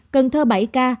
cần thơ bảy ca